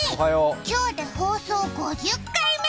今日で放送５０回目。